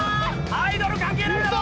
アイドル関係ないだろ！